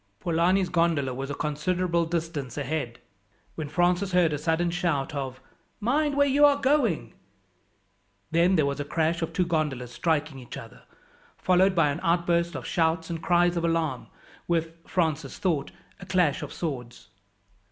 Polani's gondola was a considerable distance ahead, when Francis heard a sudden shout of, "Mind where you are going!" Then there was a crash of two gondolas striking each other, followed by an outburst of shouts and cries of alarm, with, Francis thought, the clash of swords.